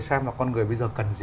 xem là con người bây giờ cần gì